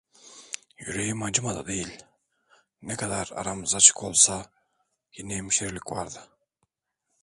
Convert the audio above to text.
Yüreğim acımadı değil, ne kadar aramız açık olsa, yine hemşerilik vardı.